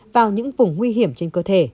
vào những vùng nguy hiểm trên cơ thể